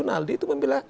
naldi itu memilah